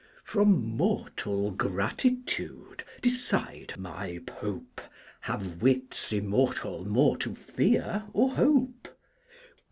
From mortal Gratitude, decide, my Pope, Have Wits Immortal more to fear or hope?